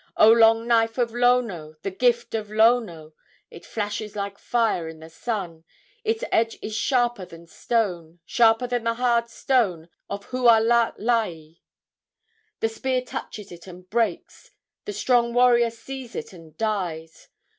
O long knife of Lono, the gift of Lono; It flashes like fire in the sun; Its edge is sharper than stone, Sharper than the hard stone of Hualalai; The spear touches it and breaks, The strong warrior sees it and dies!